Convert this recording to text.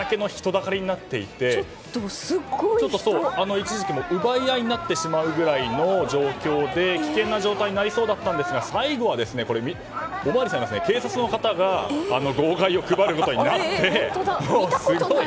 一時期、奪い合いになってしまうぐらいの状況で危険な状態になりそうだったんですが、最後はおまわりさん、警察の方が号外を配ることになって。